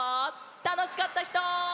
たのしかったひと！